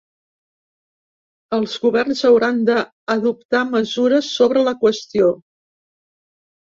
Els governs hauran d’adoptar mesures sobre la qüestió.